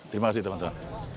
terima kasih teman teman